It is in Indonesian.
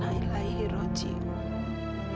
karena taufan udah meninggal